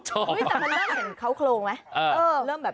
อุ๊ยแต่เริ่มเห็นข้าวโคลงไหม